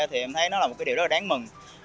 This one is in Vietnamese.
thì em thấy nó là một cái điều rất là đáng mừng